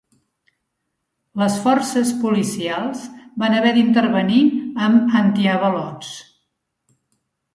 Les forces policials van haver d'intervenir amb antiavalots.